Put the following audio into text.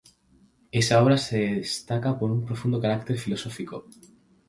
Esa obra se destaca por un profundo carácter filosófico.